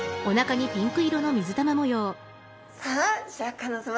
さあシャーク香音さま